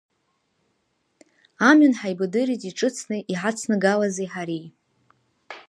Амҩан ҳаибадырит иҿыцны иҳацнагалази ҳареи.